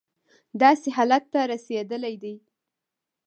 داسې حالت ته رسېدلی دی.